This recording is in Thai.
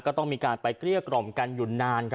ก็ต้องมีการไปเกลี้ยกล่อมกันอยู่นาน